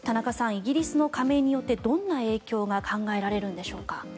イギリスの加盟によってどんな影響が考えられるんでしょうか。